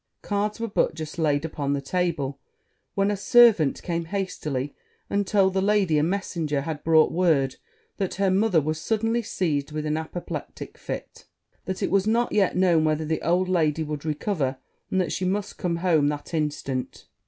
Cards were but just laid upon the table, when a servant came hastily, and told the lady a messenger had brought word that her mother was suddenly seized with an apoplectic fit; that it was not yet known whether the old lady would recover, and that she must come home that instant.